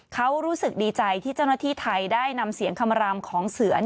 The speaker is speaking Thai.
เขารู้สึกดีใจที่เจ้าหน้าที่ไทยได้นำเสียงคำรามของเสือน